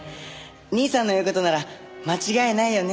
兄さんの言う事なら間違いないよね。